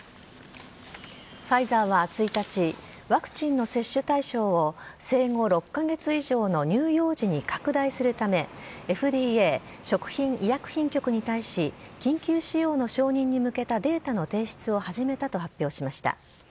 ファイザーは１日、ワクチンの接種対象を、生後６か月以上の乳幼児に拡大するため、ＦＤＡ・食品医薬品局に対し、緊急使用の承認に向けたデータの提出を始めたと発表しました。